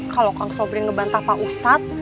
kalau kang sobrie ngebantah pak ustad